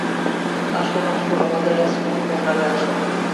আসুন আসুন, আমাদের আইসক্রিম কর্নারে আসুন।